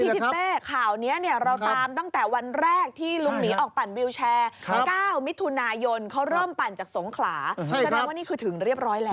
พี่ทิเต้ข่าวนี้เราตามตั้งแต่วันแรกที่ลุงหมีออกปั่นวิวแชร์